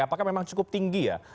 apakah memang cukup tinggi ya